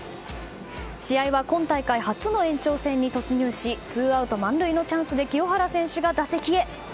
試合は今大会初の延長戦に突入しツーアウト満塁のチャンスで清原選手が打席へ。